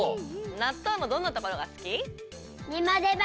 なっとうのどんなところがすき？